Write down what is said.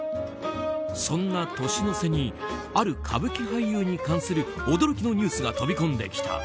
そんな年の瀬にある歌舞伎俳優に関する驚きのニュースが飛び込んできた。